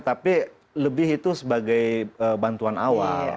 tapi lebih itu sebagai bantuan awal